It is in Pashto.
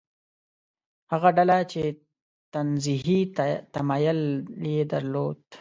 هغه ډله چې تنزیهي تمایل یې درلود.